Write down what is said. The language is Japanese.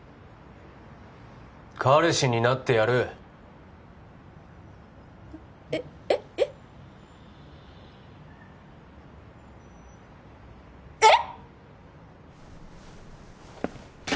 彼氏になってやるえっえっえっ？えっ！？